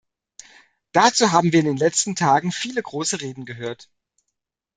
Dazu haben wir in den letzten Tagen viele große Reden gehört.